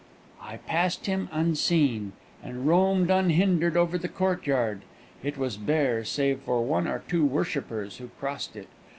"I passed him unseen, and roamed unhindered over the courtyard. It was bare, save for one or two worshippers who crossed it.